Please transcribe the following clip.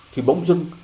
thì bỗng dưng